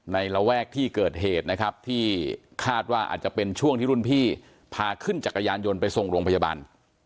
ระแวกที่เกิดเหตุนะครับที่คาดว่าอาจจะเป็นช่วงที่รุ่นพี่พาขึ้นจักรยานยนต์ไปส่งโรงพยาบาล